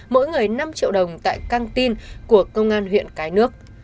mỗi người năm triệu đồng tại căng tin của công an huyện cái nước